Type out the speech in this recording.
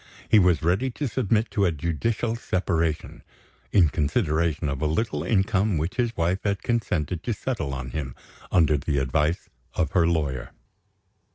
He was ready to submit to a judicial separation; in consideration of a little income which his wife had consented to settle on him, under the advice of her lawyer.